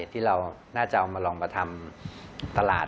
ที่เราน่าจะเอามาลองมาทำตลาด